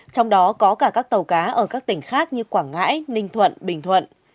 trong đó có cả các tàu cá ở các tỉnh khác như quảng ngãi ninh thuận bình thuận